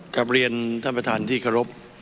กลับเรียนท่านประธานที่เคารพ